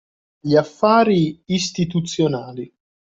Gli affari istituzionali